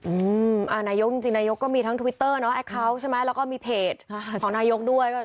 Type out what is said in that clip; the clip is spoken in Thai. อืมอ่านายกจริงจริงนายกก็มีทั้งทวิตเตอร์เนอะแอคเคาน์ใช่ไหมแล้วก็มีเพจของนายกด้วย